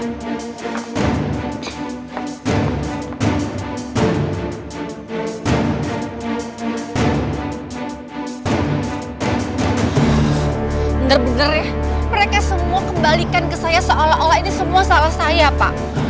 benar benar ya mereka semua kembalikan ke saya seolah olah ini semua salah saya pak